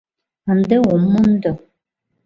Ынде ом мондо.